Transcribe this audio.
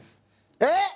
えっ？